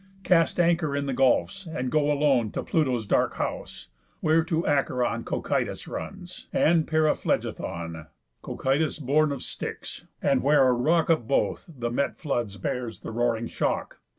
Cast anchor in the gulfs, and go alone To Pluto's dark house, where, to Acheron Cocytus runs, and Pyriphlegethon, Cocytus born of Styx, and where a rock Of both the met floods bears the roaring shock.